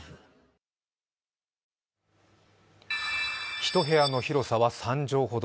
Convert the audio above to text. １部屋の広さは３畳ほど。